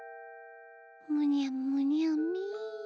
むにゃむにゃみ。